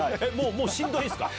もうしんどいんですか？